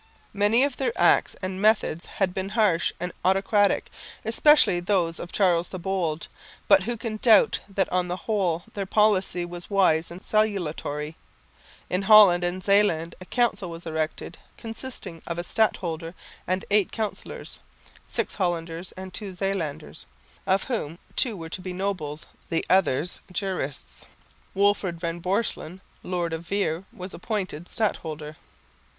Many of their acts and methods had been harsh and autocratic, especially those of Charles the Bold, but who can doubt that on the whole their policy was wise and salutary? In Holland and Zeeland a Council was erected consisting of a Stadholder and eight councillors (six Hollanders and two Zeelanders) of whom two were to be nobles, the others jurists. Wolferd van Borselen, lord of Veere, was appointed Stadholder.